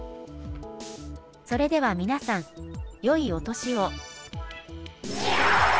それでは皆さん、よいお年を。